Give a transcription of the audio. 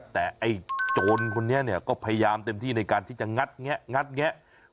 แต่ไอ้โจรคนนี้เนี่ยก็พยายามเติมที่ในการที่จะงัดแงะ